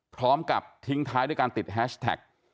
พร้อมกับทิ้งท้ายด้วยการติดแฮชแท็ก